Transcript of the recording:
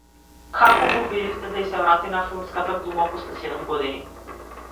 Како го убедивте да ѝ се врати на филмската глума после седум години?